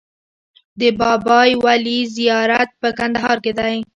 د بابای ولي زیارت په کندهار کې دی